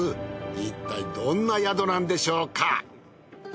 いったいどんな宿なんでしょうか？